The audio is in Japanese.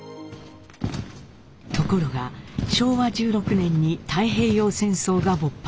ところが昭和１６年に太平洋戦争が勃発。